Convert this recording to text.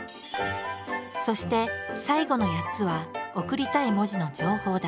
そして最後の８つは送りたい文字の情報だ。